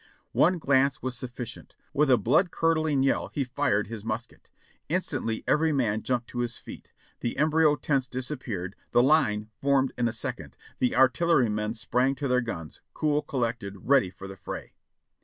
One glance was sufficient; with a blood curdling yell he fired his musket. Instantly every man jumped to his feet; the embryo tents disappeared, the line formed in a second, the artillerymen sprang to their guns, cool, collected, ready for the fray.